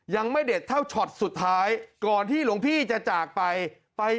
ยังไม่เด็ดเท่าช็อตสุดท้ายก่อนที่หลวงพี่จะจากไปไป